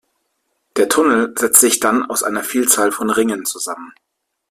Der Tunnel setzt sich dann aus einer Vielzahl von Ringen zusammen.